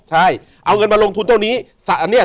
ใช่เอาเงินมาลงทุนเท่านี้